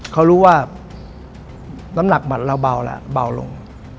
เขารู้ว่าน้ำหนักหมัดเราเบาแล้วเบาลง